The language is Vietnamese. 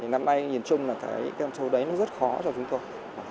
năm nay nhìn chung là cái con số đấy nó rất khó cho chúng tôi